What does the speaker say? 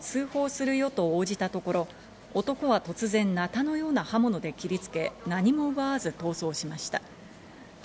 店長が財布はない、通報するよと応じたところ男は突然、なたのような刃物で切りつけ、何も奪わず逃走しました。